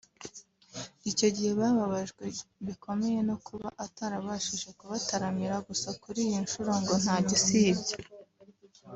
icyo gihe bababajwe bikomeye no kuba atarabashije kubataramira gusa kuri iyi nshuro ngo nta gisibya